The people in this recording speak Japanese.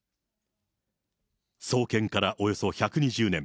創建からおよそ１２０年。